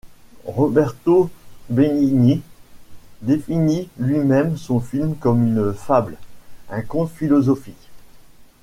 Roberto Benigni définit lui-même son film comme une fable, un conte philosophique.